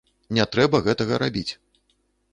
Не трэба гэтага рабіць.